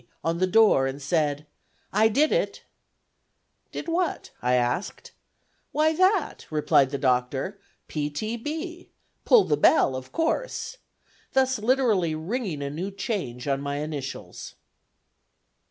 on the door and said, "I did it," "Did what," I asked: "Why that," replied the doctor, "P. T. B., Pull The Bell, of course," thus literally ringing a new change on my initials.